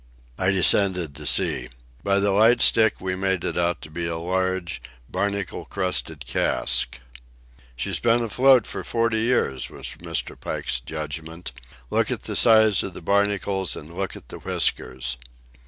I descended to see. By the light stick we made it out to be a large, barnacle crusted cask. "She's been afloat for forty years," was Mr. Pike's judgment. "Look at the size of the barnacles, and look at the whiskers."